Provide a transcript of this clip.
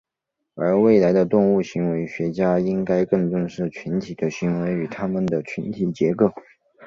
而未来的动物行为学家应该更重视群体的行为与它们的群体结构。